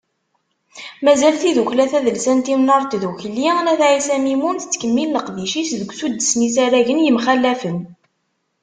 Mazal tidukkla tadelsant Imnar n Tdukli n At Ɛisa Mimun, tettkemmil leqdic-is deg usuddes n yisaragen yemxalafen.